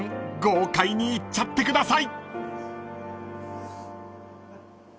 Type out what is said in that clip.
豪快にいっちゃってください］